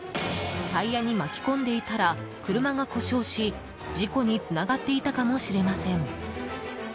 タイヤに巻き込んでいたら車が故障し事故につながっていたかもしれません。